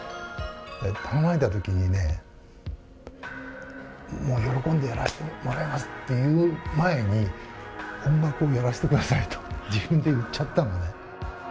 頼まれたときにね、もう喜んでやらせてもらいますっていう前に、音楽をやらせてくださいと、自分で言っちゃったのね。